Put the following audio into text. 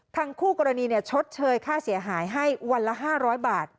คู่กรณีชดเชยค่าเสียหายให้วันละ๕๐๐บาท